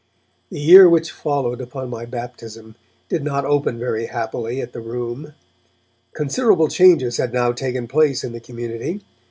The year which followed upon my baptism did not open very happily at the Room. Considerable changes had now taken place in the community.